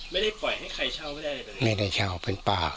ไม่เคยได้มานะตอนเนี้ย